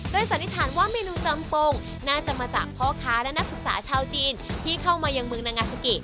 สันนิษฐานว่าเมนูจำปงน่าจะมาจากพ่อค้าและนักศึกษาชาวจีนที่เข้ามายังเมืองนางาซูกิ